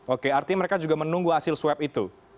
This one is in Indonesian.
oke artinya mereka juga menunggu hasil swab itu